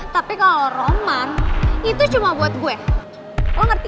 tapi kalo roman itu cuma buat gue lo ngerti